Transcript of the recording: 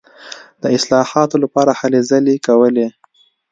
د اصلاحاتو لپاره هلې ځلې کولې.